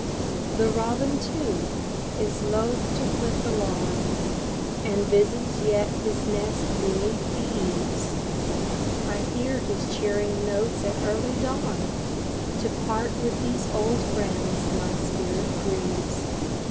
The robin, too, is loth to quit the lawn And visits yet his nest beneath the eaves; I hear his cheering notes at early dawn To part with these old friends my spirit grieves.